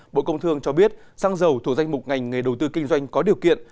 bộ công thương cho biết xăng dầu thuộc danh mục ngành nghề đầu tư kinh doanh có điều kiện